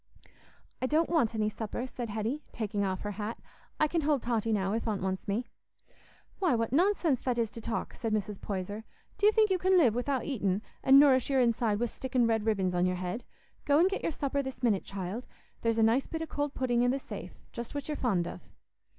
"I don't want any supper," said Hetty, taking off her hat. "I can hold Totty now, if Aunt wants me." "Why, what nonsense that is to talk!" said Mrs. Poyser. "Do you think you can live wi'out eatin', an' nourish your inside wi' stickin' red ribbons on your head? Go an' get your supper this minute, child; there's a nice bit o' cold pudding i' the safe—just what you're fond of."